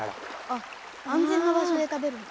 あ安全な場所で食べるんだ。